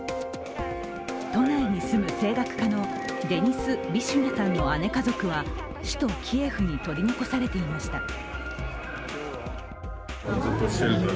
都内に住む声楽家のデニス・ビシュニャさんの姉家族は首都キエフに取り残されていました。